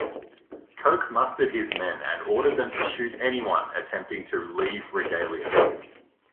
Coke mustered his men and ordered them to shoot anyone attempting to leave "Regalia".